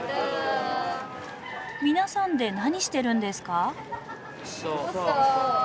皆さんで何してるんですか？